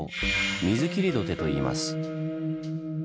「水切土手」といいます。